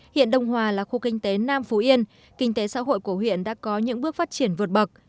hiện đông hòa là khu kinh tế nam phú yên kinh tế xã hội của huyện đã có những bước phát triển vượt bậc